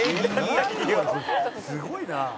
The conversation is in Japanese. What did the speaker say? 「すごいなあ」